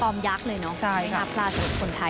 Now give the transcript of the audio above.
ความยักษ์เลยเนอะภาพยนตร์คนไทยนะคะนะครับ